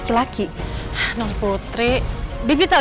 saya siap dia